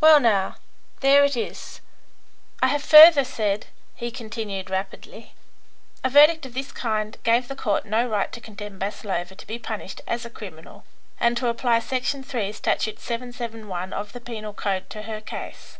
Well, now, there it is. I have further said," he continued, rapidly, "a verdict of this kind gave the Court no right to condemn Maslova to be punished as a criminal, and to apply section 3, statute 771 of the penal code to her case.